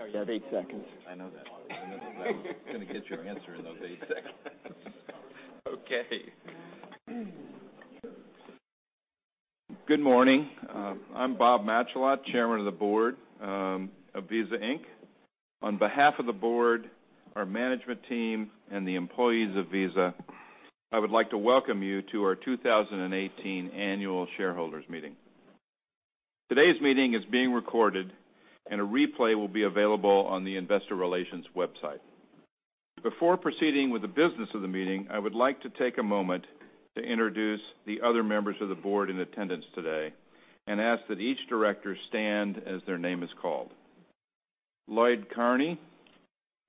Ready? You have eight seconds. I know that. I'm going to get your answer in those eight seconds. Okay. Good morning. I'm Bob Matschullat, Chairman of the Board of Visa Inc. On behalf of the Board, our management team, and the employees of Visa, I would like to welcome you to our 2018 annual shareholders meeting. Today's meeting is being recorded, and a replay will be available on the investor relations website. Before proceeding with the business of the meeting, I would like to take a moment to introduce the other members of the Board in attendance today and ask that each director stand as their name is called. Lloyd Carney,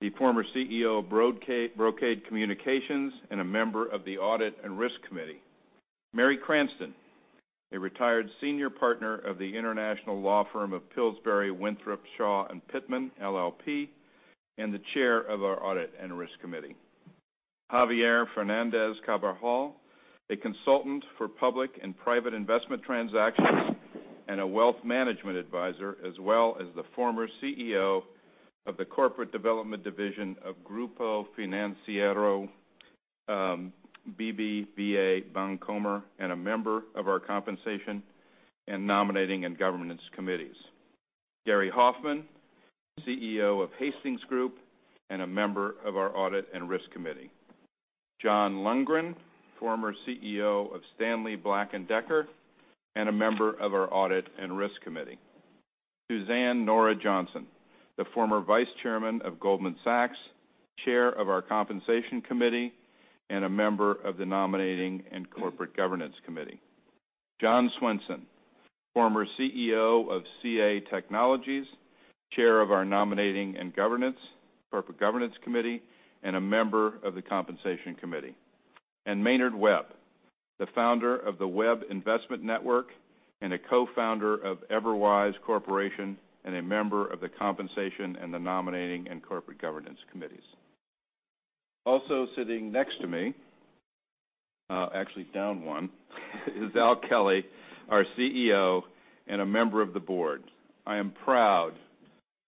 the former CEO of Brocade Communications and a member of the Audit and Risk Committee. Mary Cranston, a retired senior partner of the international law firm of Pillsbury Winthrop Shaw Pittman LLP, and the Chair of our Audit and Risk Committee. Javier Fernández-Carbajal, a consultant for public and private investment transactions and a wealth management advisor, as well as the former CEO of the Corporate Development division of Grupo Financiero BBVA Bancomer, and a member of our Compensation and Nominating and Governance Committees. Gary Hoffman, CEO of Hastings Group, and a member of our Audit and Risk Committee. John Lundgren, former CEO of Stanley Black & Decker, and a member of our Audit and Risk Committee. Suzanne Nora Johnson, the former Vice Chairman of Goldman Sachs, Chair of our Compensation Committee, and a member of the Nominating and Corporate Governance Committee. John Swainson, former CEO of CA Technologies, Chair of our Nominating and Corporate Governance Committee, and a member of the Compensation Committee. Maynard Webb, the founder of the Webb Investment Network and a co-founder of Everwise Corporation, and a member of the compensation and the nominating and corporate governance committees. Also sitting next to me, actually down one, is Al Kelly, our CEO and a member of the board. I am proud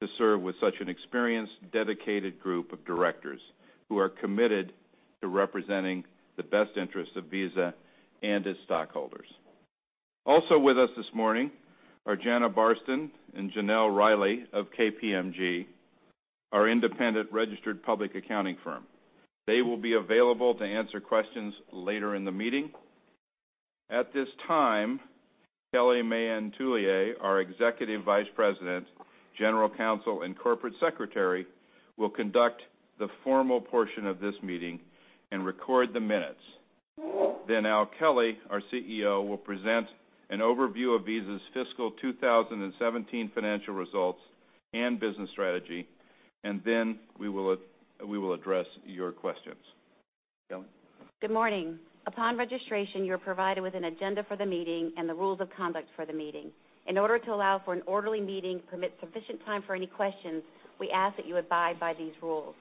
to serve with such an experienced, dedicated group of directors who are committed to representing the best interests of Visa and its stockholders. Also with us this morning are Jana Barsten and Janelle Riley of KPMG, our independent registered public accounting firm. They will be available to answer questions later in the meeting. At this time, Kelly Mahon Tullier, our executive vice president, general counsel, and corporate secretary, will conduct the formal portion of this meeting and record the minutes. Al Kelly, our CEO, will present an overview of Visa's fiscal 2017 financial results and business strategy, and then we will address your questions. Kelly? Good morning. Upon registration, you were provided with an agenda for the meeting and the rules of conduct for the meeting. In order to allow for an orderly meeting, permit sufficient time for any questions, we ask that you abide by these rules.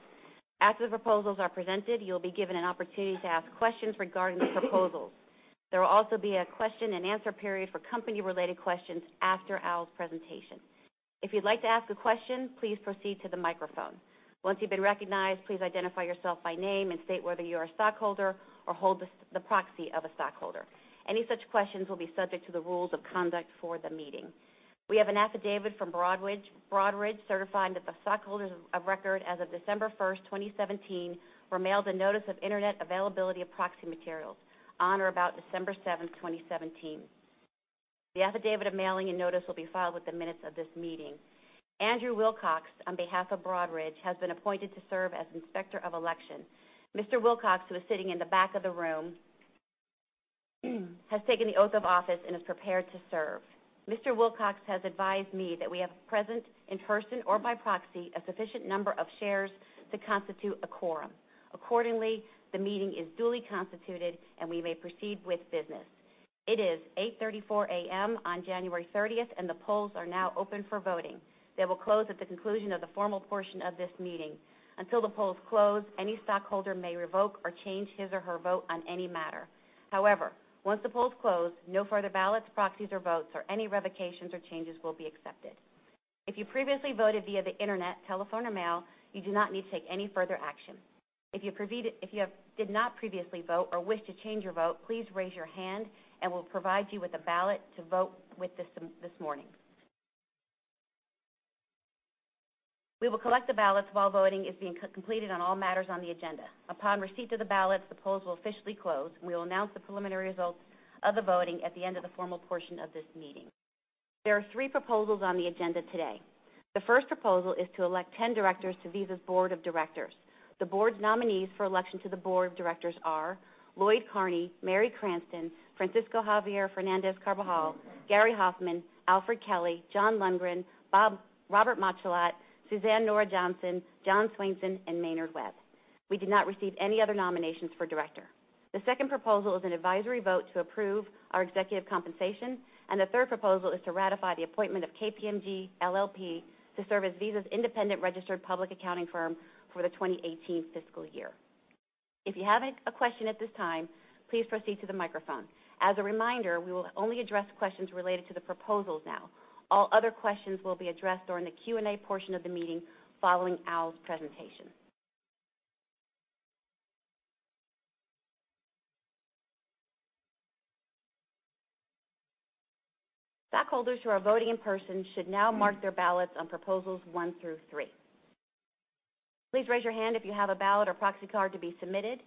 After the proposals are presented, you will be given an opportunity to ask questions regarding the proposals. There will also be a question and answer period for company-related questions after Al's presentation. If you would like to ask a question, please proceed to the microphone. Once you have been recognized, please identify yourself by name and state whether you are a stockholder or hold the proxy of a stockholder. Any such questions will be subject to the rules of conduct for the meeting. We have an affidavit from Broadridge certifying that the stockholders of record as of December 1st, 2017, were mailed a notice of Internet availability of proxy materials on or about December 7th, 2017. The affidavit of mailing and notice will be filed with the minutes of this meeting. Andrew Wilcox, on behalf of Broadridge, has been appointed to serve as Inspector of Election. Mr. Wilcox, who is sitting in the back of the room, has taken the oath of office and is prepared to serve. Mr. Wilcox has advised me that we have present, in person or by proxy, a sufficient number of shares to constitute a quorum. Accordingly, the meeting is duly constituted, and we may proceed with business. It is 8:34 A.M. on January 30th, and the polls are now open for voting. They will close at the conclusion of the formal portion of this meeting. Until the polls close, any stockholder may revoke or change his or her vote on any matter. However, once the polls close, no further ballots, proxies, or votes, or any revocations or changes will be accepted. If you previously voted via the Internet, telephone, or mail, you do not need to take any further action. If you did not previously vote or wish to change your vote, please raise your hand, and we'll provide you with a ballot to vote with this morning. We will collect the ballots while voting is being completed on all matters on the agenda. Upon receipt of the ballots, the polls will officially close, and we will announce the preliminary results of the voting at the end of the formal portion of this meeting. There are three proposals on the agenda today. The first proposal is to elect 10 directors to Visa's board of directors. The board's nominees for election to the board of directors are Lloyd Carney, Mary Cranston, Francisco Javier Fernández-Carbajal, Gary Hoffman, Alfred Kelly, John Lundgren, Robert Matschullat, Suzanne Nora Johnson, John Swainson, and Maynard Webb. We did not receive any other nominations for director. The second proposal is an advisory vote to approve our executive compensation. The third proposal is to ratify the appointment of KPMG LLP to serve as Visa's independent registered public accounting firm for the 2018 fiscal year. If you have a question at this time, please proceed to the microphone. As a reminder, we will only address questions related to the proposals now. All other questions will be addressed during the Q&A portion of the meeting following Al's presentation. Stockholders who are voting in person should now mark their ballots on proposals one through three. Please raise your hand if you have a ballot or proxy card to be submitted.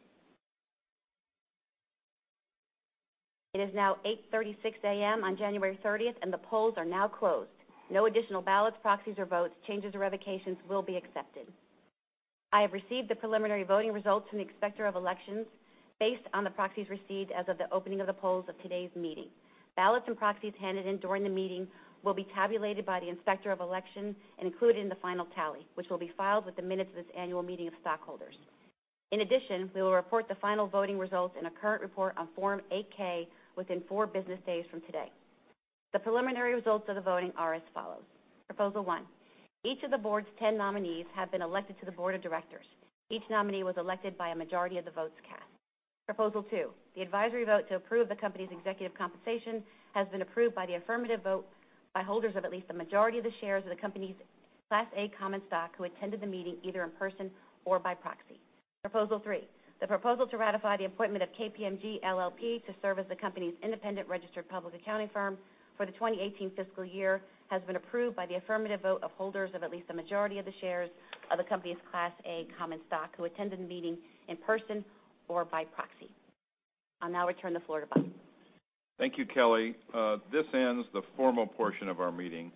It is now 8:36 A.M. on January 30th. The polls are now closed. No additional ballots, proxies, or votes, changes, or revocations will be accepted. I have received the preliminary voting results from the Inspector of Elections based on the proxies received as of the opening of the polls of today's meeting. Ballots and proxies handed in during the meeting will be tabulated by the Inspector of Elections and included in the final tally, which will be filed with the minutes of this annual meeting of stockholders. In addition, we will report the final voting results in a current report on Form 8-K within four business days from today. The preliminary results of the voting are as follows. Proposal one, each of the board's 10 nominees have been elected to the board of directors. Each nominee was elected by a majority of the votes cast. Proposal two, the advisory vote to approve the company's executive compensation has been approved by the affirmative vote by holders of at least a majority of the shares of the company's Class A common stock who attended the meeting either in person or by proxy. Proposal three, the proposal to ratify the appointment of KPMG LLP to serve as the company's independent registered public accounting firm for the 2018 fiscal year has been approved by the affirmative vote of holders of at least a majority of the shares of the company's Class A common stock who attended the meeting in person or by proxy. I'll now return the floor to Bob. Thank you, Kelly. This ends the formal portion of our meeting.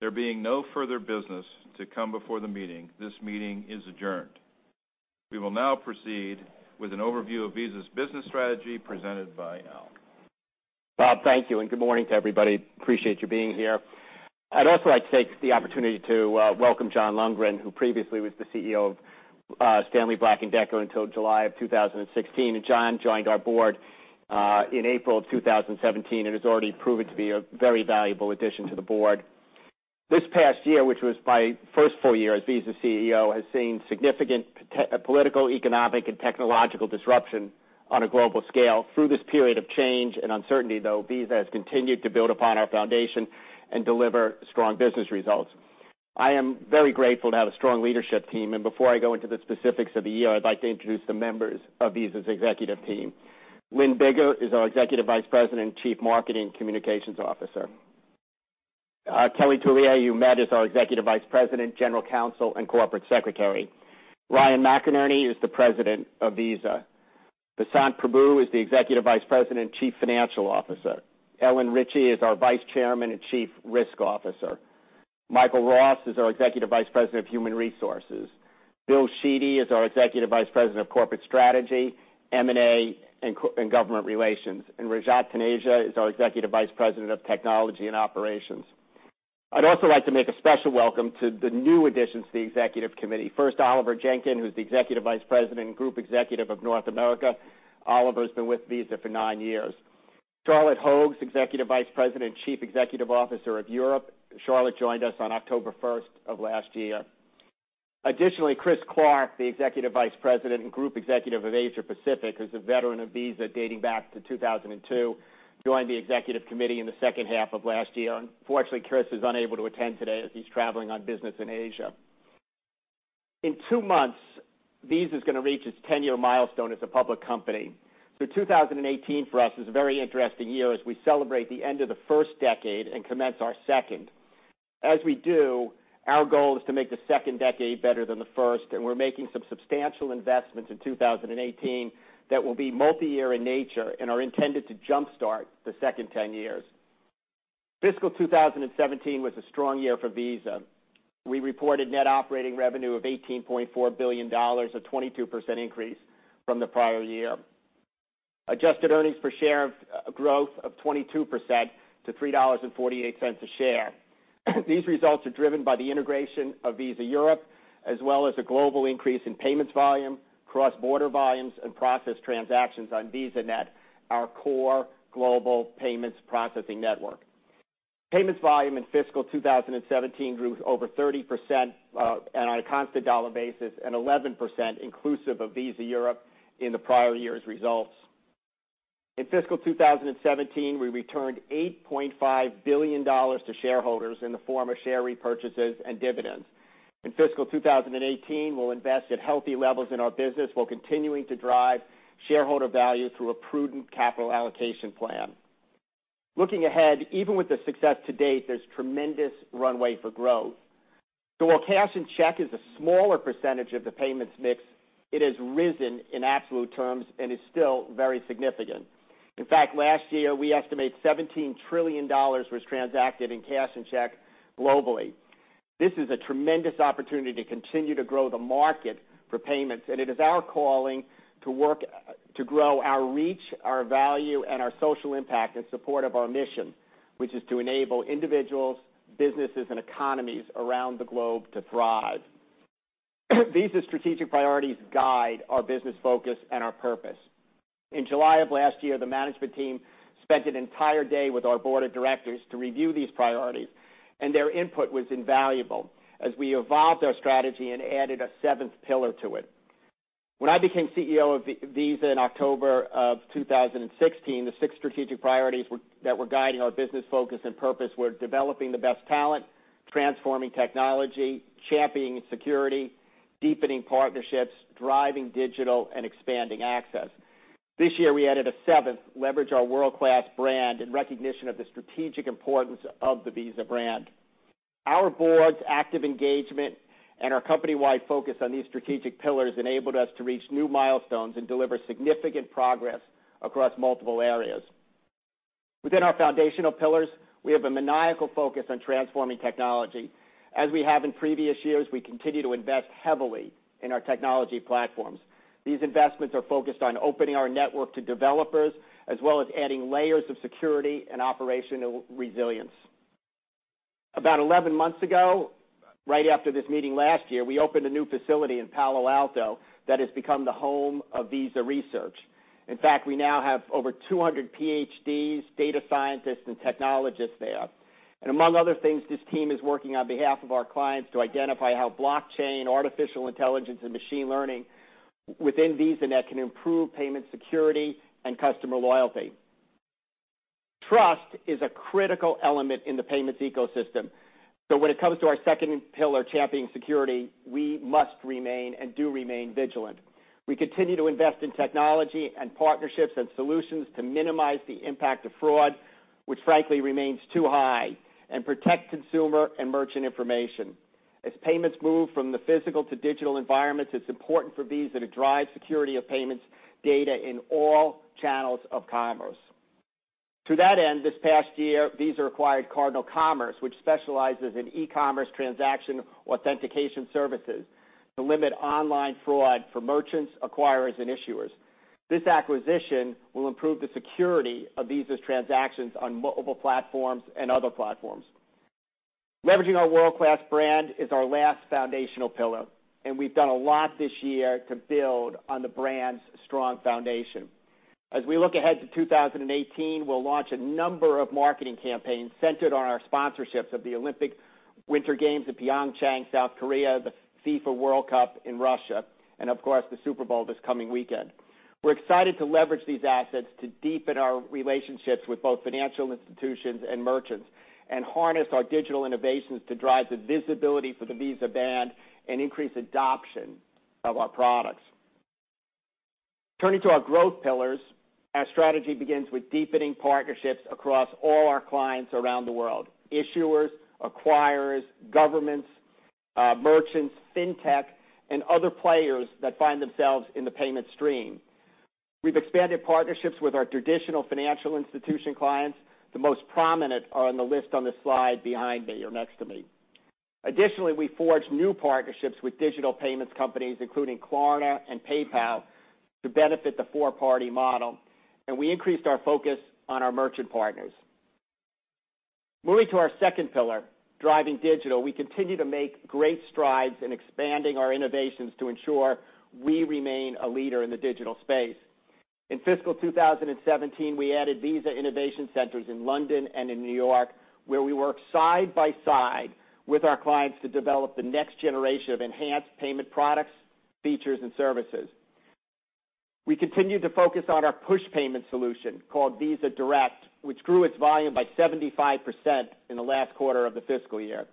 There being no further business to come before the meeting, this meeting is adjourned. We will now proceed with an overview of Visa's business strategy presented by Al. Bob, thank you. Good morning to everybody. Appreciate you being here. I'd also like to take the opportunity to welcome John Lundgren, who previously was the CEO of Stanley Black & Decker until July of 2016. John joined our board in April of 2017 and has already proven to be a very valuable addition to the board. This past year, which was my first full year as Visa's CEO, has seen significant political, economic, and technological disruption on a global scale. Through this period of change and uncertainty, though, Visa has continued to build upon our foundation and deliver strong business results. I am very grateful to have a strong leadership team, and before I go into the specifics of the year, I'd like to introduce the members of Visa's executive team. Lynne Biggar is our Executive Vice President and Chief Marketing Communications Officer. Kelly Toureille, you met, is our Executive Vice President, General Counsel, and Corporate Secretary. Ryan McInerney is the President of Visa. Vasant Prabhu is the Executive Vice President and Chief Financial Officer. Ellen Richey is our Vice Chairman and Chief Risk Officer. Michael Ross is our Executive Vice President of Human Resources. Bill Sheedy is our Executive Vice President of Corporate Strategy, M&A, and Government Relations. Rajat Taneja is our Executive Vice President of Technology and Operations. I'd also like to make a special welcome to the new additions to the executive committee. First, Oliver Jenkyn, who's the Executive Vice President and Group Executive of North America. Oliver's been with Visa for nine years. Charlotte Hogg, Executive Vice President and Chief Executive Officer of Europe. Charlotte joined us on October 1st of last year. Additionally, Chris Clark, the Executive Vice President and Group Executive of Asia Pacific, is a veteran of Visa dating back to 2002, joined the executive committee in the second half of last year. Unfortunately, Chris is unable to attend today as he's traveling on business in Asia. In two months, Visa's going to reach its 10-year milestone as a public company. 2018 for us is a very interesting year as we celebrate the end of the first decade and commence our second. As we do, our goal is to make the second decade better than the first. We're making some substantial investments in 2018 that will be multi-year in nature and are intended to jumpstart the second 10 years. Fiscal 2017 was a strong year for Visa. We reported net operating revenue of $18.4 billion, a 22% increase from the prior year. Adjusted earnings per share of growth of 22% to $3.48 a share. These results are driven by the integration of Visa Europe, as well as a global increase in payments volume, cross-border volumes, and processed transactions on VisaNet, our core global payments processing network. Payments volume in fiscal 2017 grew over 30% on a constant dollar basis and 11% inclusive of Visa Europe in the prior year's results. In fiscal 2017, we returned $8.5 billion to shareholders in the form of share repurchases and dividends. In fiscal 2018, we'll invest at healthy levels in our business while continuing to drive shareholder value through a prudent capital allocation plan. Looking ahead, even with the success to date, there's tremendous runway for growth. While cash and check is a smaller percentage of the payments mix, it has risen in absolute terms and is still very significant. In fact, last year, we estimate $17 trillion was transacted in cash and check globally. This is a tremendous opportunity to continue to grow the market for payments, it is our calling to work to grow our reach, our value, and our social impact in support of our mission, which is to enable individuals, businesses, and economies around the globe to thrive. Visa's strategic priorities guide our business focus and our purpose. In July of last year, the management team spent an entire day with our board of directors to review these priorities, their input was invaluable as we evolved our strategy and added a seventh pillar to it. When I became CEO of Visa in October of 2016, the six strategic priorities that were guiding our business focus and purpose were developing the best talent, transforming technology, championing security, deepening partnerships, driving digital, and expanding access. This year we added a seventh, leverage our world-class brand in recognition of the strategic importance of the Visa brand. Our board's active engagement and our company-wide focus on these strategic pillars enabled us to reach new milestones and deliver significant progress across multiple areas. Within our foundational pillars, we have a maniacal focus on transforming technology. As we have in previous years, we continue to invest heavily in our technology platforms. These investments are focused on opening our network to developers, as well as adding layers of security and operational resilience. About 11 months ago, right after this meeting last year, we opened a new facility in Palo Alto that has become the home of Visa Research. In fact, we now have over 200 PhDs, data scientists, and technologists there. Among other things, this team is working on behalf of our clients to identify how blockchain, artificial intelligence, and machine learning within Visa that can improve payment security and customer loyalty. Trust is a critical element in the payments ecosystem. When it comes to our second pillar, championing security, we must remain and do remain vigilant. We continue to invest in technology and partnerships and solutions to minimize the impact of fraud, which frankly remains too high, and protect consumer and merchant information. As payments move from the physical to digital environments, it's important for Visa to drive security of payments data in all channels of commerce. To that end, this past year, Visa acquired CardinalCommerce, which specializes in e-commerce transaction authentication services to limit online fraud for merchants, acquirers, and issuers. This acquisition will improve the security of Visa's transactions on mobile platforms and other platforms. Leveraging our world-class brand is our last foundational pillar, we've done a lot this year to build on the brand's strong foundation. As we look ahead to 2018, we'll launch a number of marketing campaigns centered on our sponsorships of the Olympic Winter Games at PyeongChang, South Korea, the FIFA World Cup in Russia, and of course, the Super Bowl this coming weekend. We're excited to leverage these assets to deepen our relationships with both financial institutions and merchants, and harness our digital innovations to drive the visibility for the Visa brand and increase adoption of our products. Turning to our growth pillars, our strategy begins with deepening partnerships across all our clients around the world, issuers, acquirers, governments, merchants, fintech, and other players that find themselves in the payment stream. We've expanded partnerships with our traditional financial institution clients. The most prominent are on the list on the slide behind me or next to me. Additionally, we forged new partnerships with digital payments companies, including Klarna and PayPal, to benefit the four-party model, and we increased our focus on our merchant partners. Moving to our second pillar, driving digital, we continue to make great strides in expanding our innovations to ensure we remain a leader in the digital space. In fiscal 2017, we added Visa Innovation Centers in London and in New York, where we work side by side with our clients to develop the next generation of enhanced payment products, features, and services. We continue to focus on our push payment solution called Visa Direct, which grew its volume by 75% in the last quarter of the fiscal year.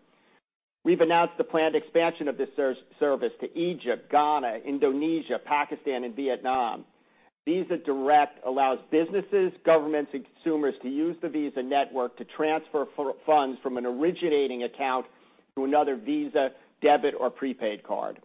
We've announced the planned expansion of this service to Egypt, Ghana, Indonesia, Pakistan, and Vietnam. Visa Direct allows businesses, governments, and consumers to use the Visa network to transfer funds from an originating account to another Visa debit or prepaid card.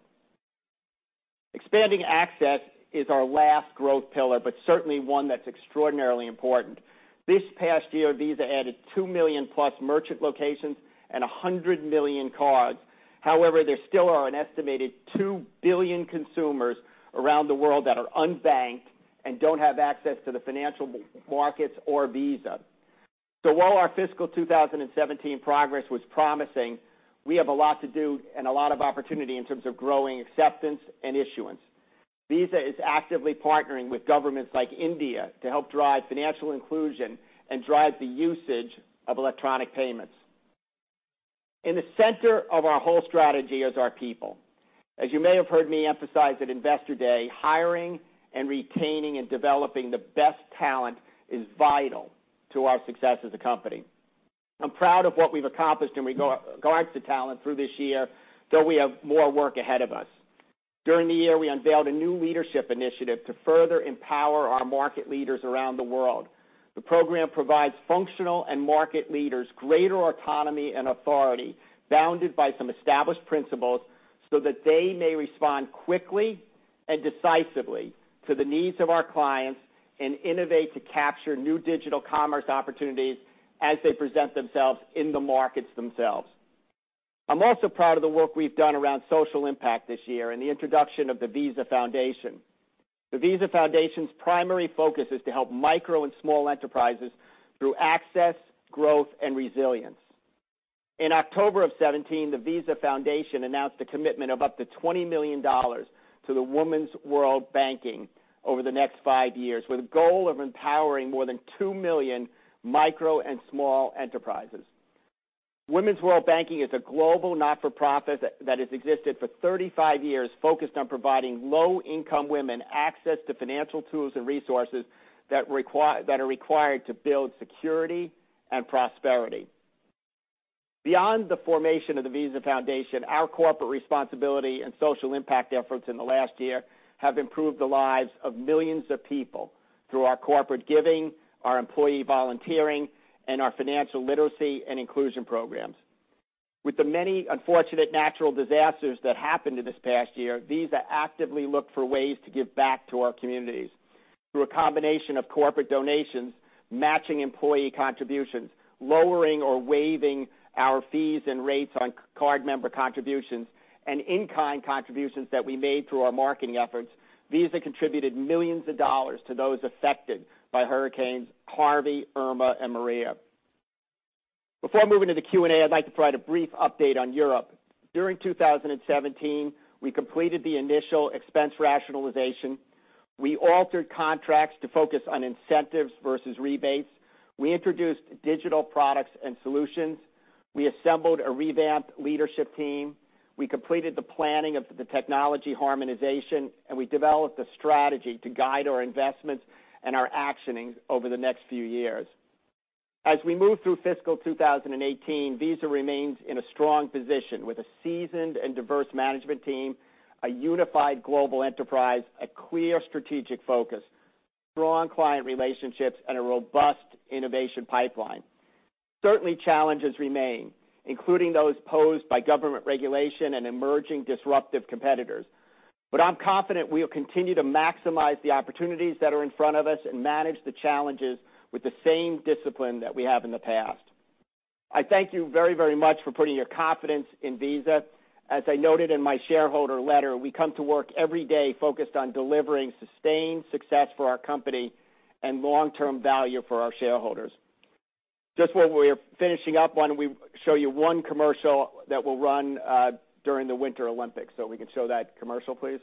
Expanding access is our last growth pillar, but certainly one that's extraordinarily important. This past year, Visa added 2 million-plus merchant locations and 100 million cards. However, there still are an estimated 2 billion consumers around the world that are unbanked and don't have access to the financial markets or Visa. While our fiscal 2017 progress was promising, we have a lot to do and a lot of opportunity in terms of growing acceptance and issuance. Visa is actively partnering with governments like India to help drive financial inclusion and drive the usage of electronic payments. In the center of our whole strategy is our people. As you may have heard me emphasize at Investor Day, hiring and retaining and developing the best talent is vital to our success as a company. I'm proud of what we've accomplished in regards to talent through this year, though we have more work ahead of us. During the year, we unveiled a new leadership initiative to further empower our market leaders around the world. The program provides functional and market leaders greater autonomy and authority, bounded by some established principles, so that they may respond quickly and decisively to the needs of our clients and innovate to capture new digital commerce opportunities as they present themselves in the markets themselves. I'm also proud of the work we've done around social impact this year and the introduction of the Visa Foundation. The Visa Foundation's primary focus is to help micro and small enterprises through access, growth, and resilience. In October of 2017, the Visa Foundation announced a commitment of up to $20 million to the Women's World Banking over the next five years, with a goal of empowering more than two million micro and small enterprises. Women's World Banking is a global not-for-profit that has existed for 35 years, focused on providing low-income women access to financial tools and resources that are required to build security and prosperity. Beyond the formation of the Visa Foundation, our corporate responsibility and social impact efforts in the last year have improved the lives of millions of people through our corporate giving, our employee volunteering, and our financial literacy and inclusion programs. With the many unfortunate natural disasters that happened in this past year, Visa actively looked for ways to give back to our communities. Through a combination of corporate donations, matching employee contributions, lowering or waiving our fees and rates on card member contributions, and in-kind contributions that we made through our marketing efforts, Visa contributed millions of dollars to those affected by hurricanes Harvey, Irma, and Maria. Before moving to the Q&A, I'd like to provide a brief update on Europe. During 2017, we completed the initial expense rationalization. We altered contracts to focus on incentives versus rebates. We introduced digital products and solutions. We assembled a revamped leadership team. We completed the planning of the technology harmonization, and we developed a strategy to guide our investments and our actioning over the next few years. As we move through fiscal 2018, Visa remains in a strong position with a seasoned and diverse management team, a unified global enterprise, a clear strategic focus, strong client relationships, and a robust innovation pipeline. Certainly, challenges remain, including those posed by government regulation and emerging disruptive competitors, I'm confident we will continue to maximize the opportunities that are in front of us and manage the challenges with the same discipline that we have in the past. I thank you very much for putting your confidence in Visa. As I noted in my shareholder letter, we come to work every day focused on delivering sustained success for our company and long-term value for our shareholders. Just while we're finishing up, want to show you one commercial that will run during the Winter Olympics. We can show that commercial, please.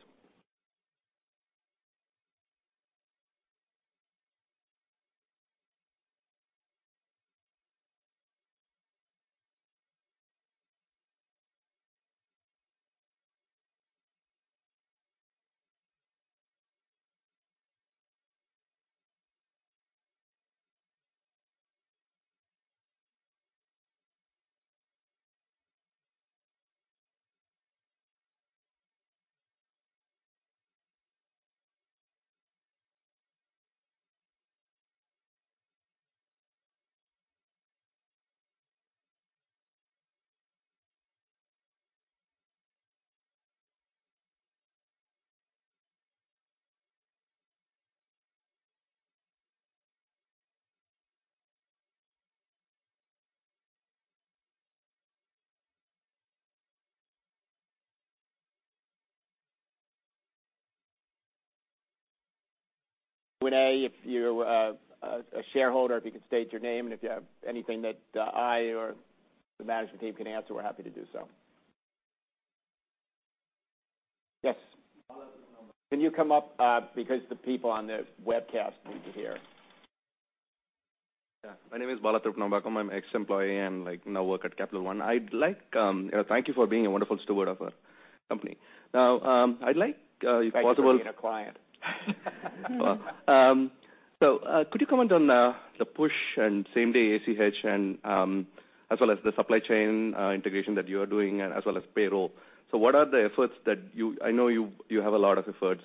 Q&A. If you're a shareholder, if you could state your name, and if you have anything that I or the management team can answer, we're happy to do so. Yes. Balatrip Nombakam. Can you come up because the people on the webcast need to hear. Yeah. My name is Balatrip Nombakam. I'm ex-employee and now work at Capital One. Thank you for being a wonderful steward of our company. Thanks for being a client. Could you comment on the push and same-day ACH, as well as the supply chain integration that you are doing, as well as payroll. I know you have a lot of efforts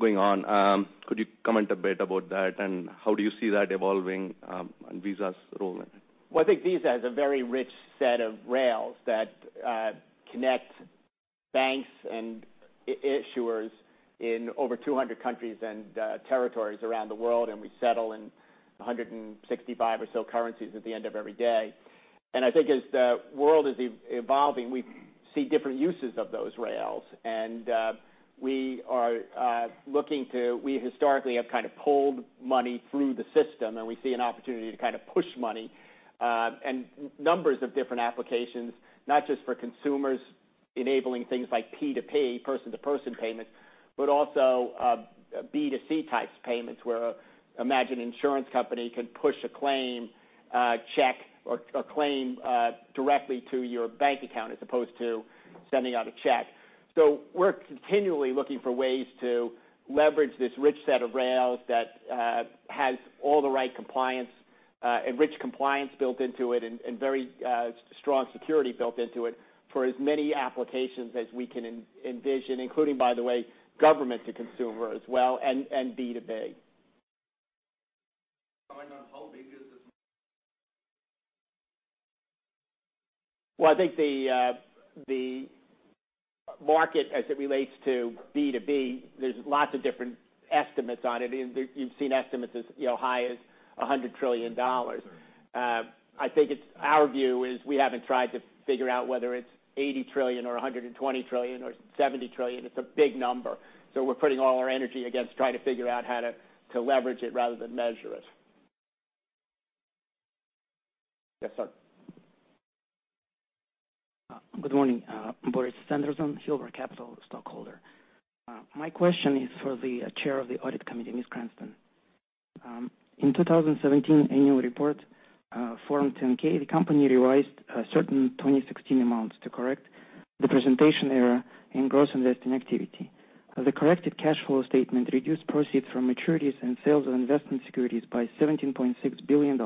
going on. Could you comment a bit about that, and how do you see that evolving and Visa's role in it? Well, I think Visa has a very rich set of rails that connect banks and issuers in over 200 countries and territories around the world, and we settle in 165 or so currencies at the end of every day. I think as the world is evolving, we see different uses of those rails. We historically have kind of pulled money through the system, and we see an opportunity to kind of push money and numbers of different applications, not just for consumers enabling things like P2P, person-to-person payments, but also B2C types payments, where imagine an insurance company can push a claim check or claim directly to your bank account as opposed to sending out a check. We're continually looking for ways to leverage this rich set of rails that has all the right compliance, enrich compliance built into it, and very strong security built into it for as many applications as we can envision, including, by the way, government to consumer as well, and B2B. Comment on how big is this? Well, I think the market as it relates to B2B, there's lots of different estimates on it. You've seen estimates as high as $100 trillion. Sure. Our view is we haven't tried to figure out whether it's $80 trillion or $120 trillion or $70 trillion. It's a big number. We're putting all our energy against trying to figure out how to leverage it rather than measure it. Yes, sir. Good morning. Boris Sanderson, Silver Capital stockholder. My question is for the Chair of the Audit Committee, Ms. Cranston. In 2017 annual report, Form 10-K, the company revised certain 2016 amounts to correct the presentation error in gross investing activity. The corrected cash flow statement reduced proceeds from maturities and sales of investment securities by $17.6 billion,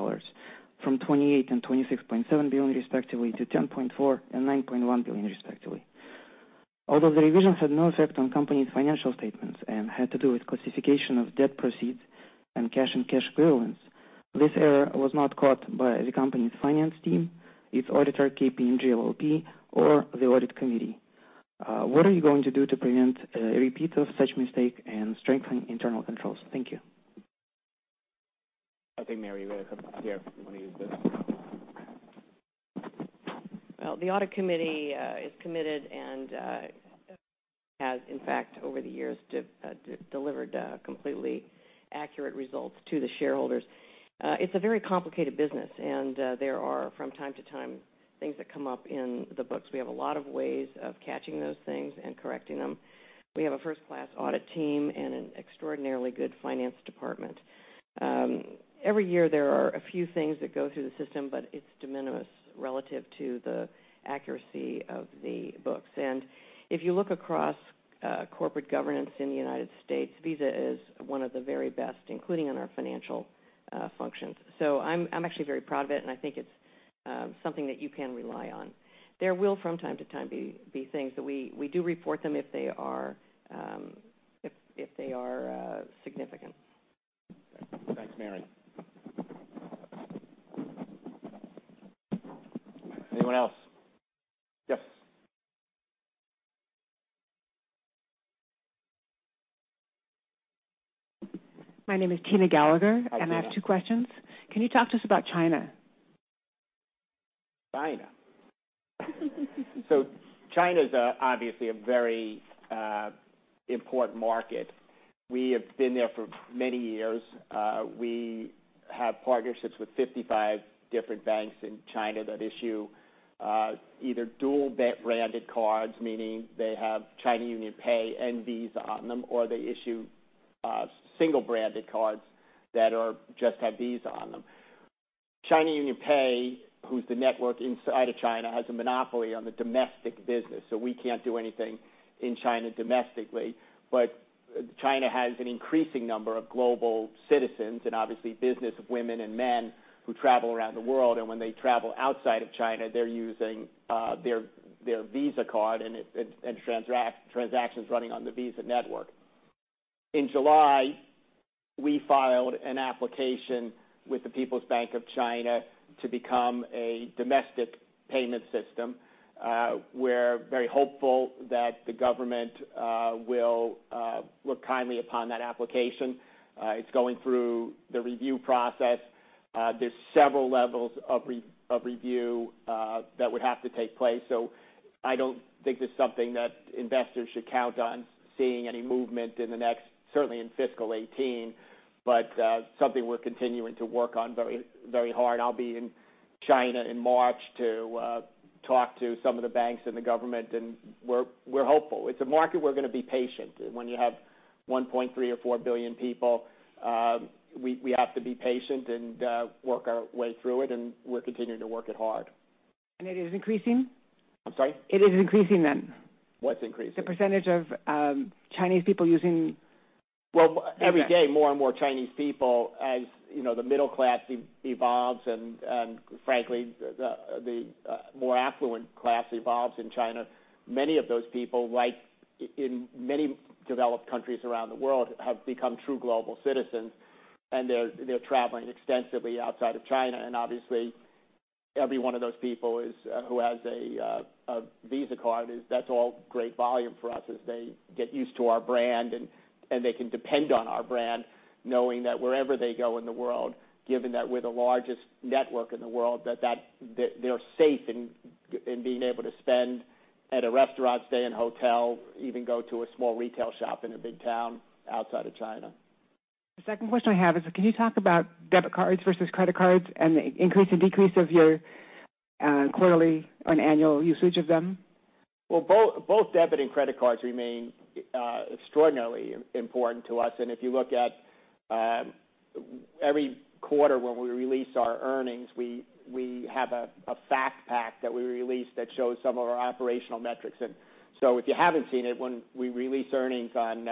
from $28 billion and $26.7 billion respectively to $10.4 billion and $9.1 billion respectively. Although the revisions had no effect on company's financial statements and had to do with classification of debt proceeds and cash and cash equivalents, this error was not caught by the company's finance team, its auditor, KPMG LLP, or the audit committee. What are you going to do to prevent a repeat of such mistake and strengthen internal controls? Thank you. I think, Mary, you got a couple here if you want to use this. Well, the audit committee is committed and has, in fact, over the years, delivered completely accurate results to the shareholders. It's a very complicated business. There are, from time to time, things that come up in the books. We have a lot of ways of catching those things and correcting them. We have a first-class audit team and an extraordinarily good finance department. Every year, there are a few things that go through the system, but it's de minimis relative to the accuracy of the books. If you look across corporate governance in the United States, Visa is one of the very best, including in our financial functions. I'm actually very proud of it, and I think it's something that you can rely on. There will, from time to time, be things that we do report them if they are significant. Thanks, Mary. Anyone else? Yes. My name is Tina Gallagher. Hi, Tina. I have two questions. Can you talk to us about China? China. China's obviously a very important market. We have been there for many years. We have partnerships with 55 different banks in China that issue either dual-branded cards, meaning they have China UnionPay and Visa on them, or they issue single-branded cards that just have Visa on them. China UnionPay, who's the network inside of China, has a monopoly on the domestic business, so we can't do anything in China domestically. China has an increasing number of global citizens, and obviously businesswomen and men who travel around the world, and when they travel outside of China, they're using their Visa card and transactions running on the Visa network. In July, we filed an application with the People's Bank of China to become a domestic payment system. We're very hopeful that the government will look kindly upon that application. It's going through the review process. There's several levels of review that would have to take place, I don't think there's something that investors should count on seeing any movement in the next, certainly in fiscal 2018. Something we're continuing to work on very hard. I'll be in China in March to talk to some of the banks and the government. We're hopeful. It's a market we're going to be patient. When you have 1.3 or 1.4 billion people, we have to be patient and work our way through it. We're continuing to work it hard. It is increasing? I'm sorry? It is increasing, then? What's increasing? The percentage of Chinese people using Visa. Well, every day, more and more Chinese people as the middle class evolves and frankly, the more affluent class evolves in China. Many of those people, like in many developed countries around the world, have become true global citizens, and they're traveling extensively outside of China. Obviously, every one of those people who has a Visa card, that's all great volume for us as they get used to our brand, and they can depend on our brand, knowing that wherever they go in the world, given that we're the largest network in the world, that they're safe in being able to spend at a restaurant, stay in a hotel, even go to a small retail shop in a big town outside of China. The second question I have is can you talk about debit cards versus credit cards and the increase and decrease of your quarterly or annual usage of them? Both debit and credit cards remain extraordinarily important to us. If you look at every quarter when we release our earnings, we have a fact pack that we release that shows some of our operational metrics. If you haven't seen it, when we release earnings on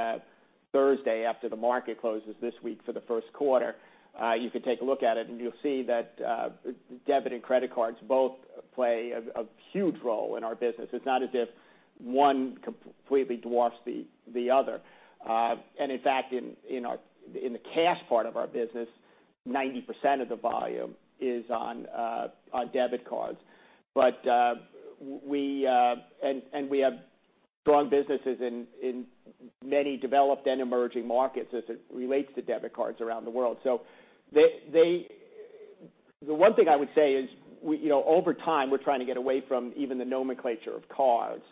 Thursday after the market closes this week for the first quarter, you can take a look at it, and you'll see that debit and credit cards both play a huge role in our business. It's not as if one completely dwarfs the other. In fact, in the cash part of our business, 90% of the volume is on debit cards. We have strong businesses in many developed and emerging markets as it relates to debit cards around the world. The one thing I would say is, over time, we're trying to get away from even the nomenclature of cards.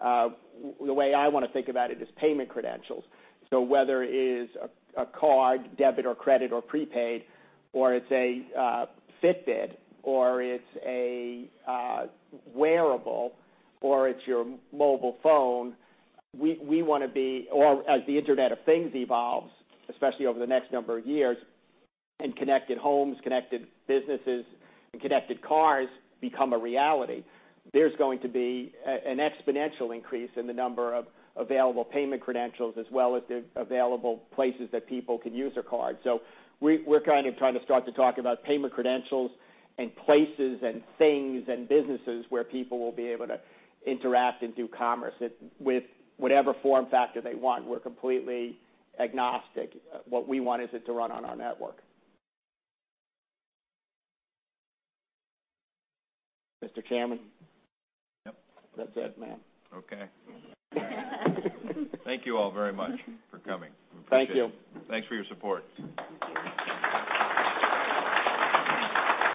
The way I want to think about it is payment credentials. Whether it is a card, debit or credit or prepaid, or it's a Fitbit, or it's a wearable, or it's your mobile phone, or as the Internet of Things evolves, especially over the next number of years, and connected homes, connected businesses, and connected cars become a reality, there's going to be an exponential increase in the number of available payment credentials as well as the available places that people can use their card. We're trying to start to talk about payment credentials and places and things and businesses where people will be able to interact and do commerce with whatever form factor they want. We're completely agnostic. What we want is it to run on our network. Mr. Cameron. Yep. That's it, man. Okay. Thank you all very much for coming. We appreciate it. Thank you. Thanks for your support. Thank you.